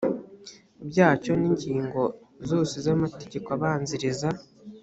byacyo n ingingo zose z amategeko abanziriza